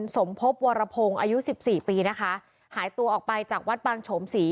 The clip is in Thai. สมพบวรพงศ์อายุสิบสี่ปีนะคะหายตัวออกไปจากวัดบางโฉมศรี